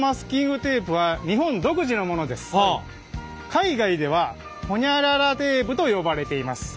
海外ではホニャララテープと呼ばれています。